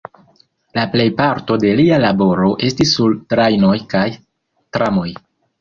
La plejparto de lia laboro estis sur trajnoj kaj tramoj.